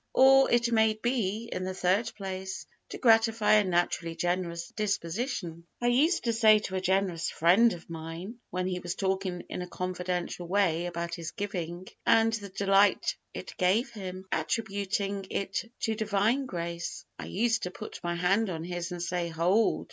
Or, it may be, in the third place, to gratify a naturally generous disposition. I used to say to a generous friend of mine, when he was talking in a confidential way about his giving, and the delight it gave him, attributing it to Divine grace I used to put my hand on his, and say, "Hold!